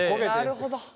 なるほど。